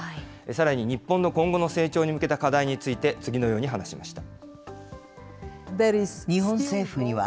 さらに日本の今後の成長に向けた課題について、次のように話しました。